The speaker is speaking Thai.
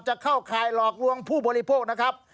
เข้าข่ายหลอกลวงผู้บริโภคนะครับ